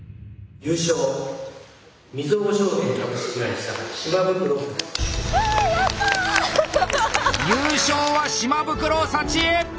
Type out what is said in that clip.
優勝は島袋幸恵！